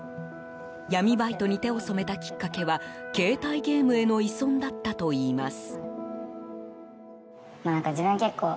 闇バイトに手を染めたきっかけは携帯ゲームへの依存だったといいます。